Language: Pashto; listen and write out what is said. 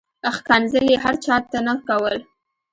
ښکنځل یې هر چاته نه کول.